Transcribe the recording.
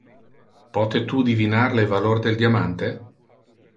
Pote tu divinar le valor del diamante?